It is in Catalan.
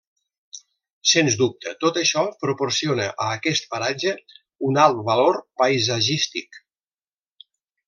Sens dubte, tot això proporciona a aquest paratge un alt valor paisatgístic.